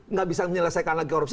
nggak bisa menyelesaikan lagi korupsi